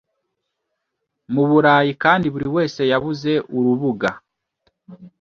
mu Burayi Kandi buri wese yabuze urubuga